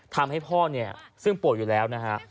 ทำให้พ่อเนี่ยซึ่งป่วยอยู่แล้วนะฮะ